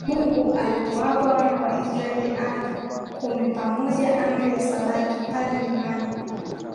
Mungu alipowapa wana wa Israel Amri kumi pamoja na Amri ya Sabato pale mlimani